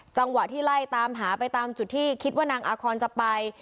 จังหวะที่ไล่ตามหาไปตามจุดที่คิดว่านางอาคอนจะไป